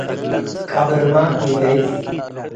ቀብርመ ኢገይስ ።